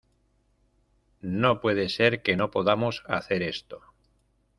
no puede ser que no podamos hacer esto.